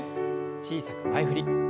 小さく前振り。